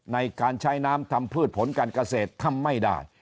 ในการใช้น้ำทำพืชผลการเกษตรทำไม่ได้